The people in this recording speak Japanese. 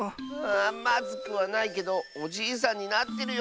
まずくはないけどおじいさんになってるよ。